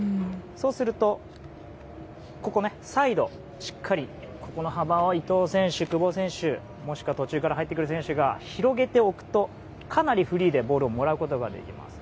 そうするとサイドしっかり幅は伊東選手、久保選手もしくは途中から入ってくる選手が広げておくとかなりフリーでボールをもらうことができます。